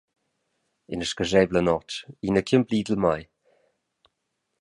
Ina sgarscheivla notg, ina ch’jeu emblidel mai.